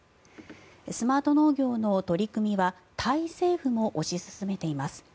スマート農業の取り組みはタイ政府も推し進めています。